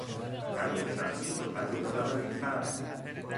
تقویم شمسی با تقویم قمری فرق دارد.